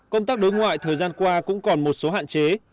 công tác đối ngoại thời gian qua cũng còn một số hạn chế